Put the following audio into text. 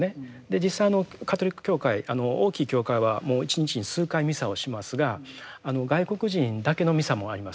実際あのカトリック教会大きい教会はもう一日に数回ミサをしますが外国人だけのミサもあります。